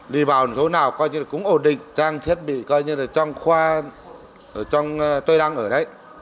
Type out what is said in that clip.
đi vào chỗ nào coi như là cũng ổn định trang thiết bị coi như là trong khoa ở trong tôi đang ở đấy